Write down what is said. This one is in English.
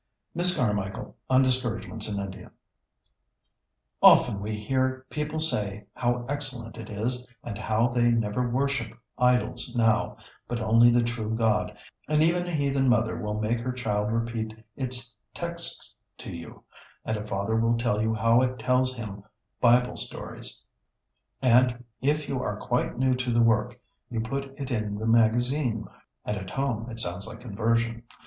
[Sidenote: Miss Carmichael on discouragements in India.] "Often we hear people say how excellent it is, and how they never worship idols now, but only the true God; and even a heathen mother will make her child repeat its texts to you, and a father will tell you how it tells him Bible stories; and, if you are quite new to the work, you put it in the Magazine, and at home it sounds like conversion.